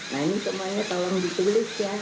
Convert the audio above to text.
nah ini semuanya tolong ditulis ya